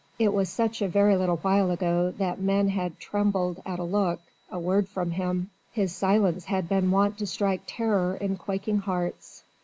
It was such a very little while ago that men had trembled at a look, a word from him: his silence had been wont to strike terror in quaking hearts.